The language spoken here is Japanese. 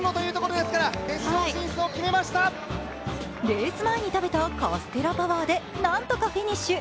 レース前に食べたカステラパワーでなんとかフィニッシュ。